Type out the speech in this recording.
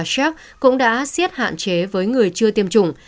slovakia và cộng hòa cũng đã xiết hạn chế với người chưa tiêm chủng